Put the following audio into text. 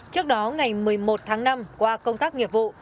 trước đó ngày một mươi một tháng năm qua công tác nghiệp vụ